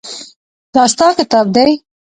دا ستا کتاب دی.